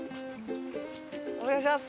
お願いします！